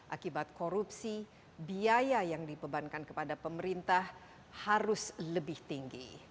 akibat korupsi biaya yang dibebankan kepada pemerintah harus lebih tinggi